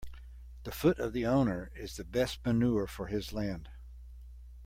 The foot of the owner is the best manure for his land.